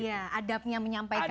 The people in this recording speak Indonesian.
ya adabnya menyampaikan ya